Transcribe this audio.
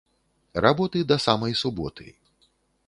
Работы да самай суботы